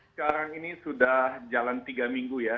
sekarang ini sudah jalan tiga minggu ya